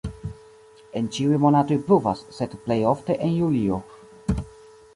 En ĉiuj monatoj pluvas, sed plej ofte en julio.